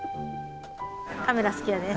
カメラ好きやね。